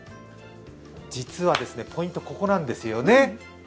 実はですね、ポイント、ここなんですよね。